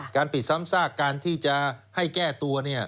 ปิดซ้ำซากการที่จะให้แก้ตัว